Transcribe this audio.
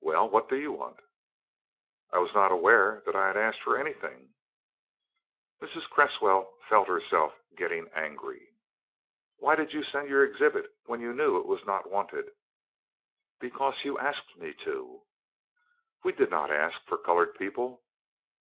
"Well, what do you want?" "I was not aware that I had asked for anything." Mrs. Cresswell felt herself getting angry. "Why did you send your exhibit when you knew it was not wanted?" "Because you asked me to." "We did not ask for colored people."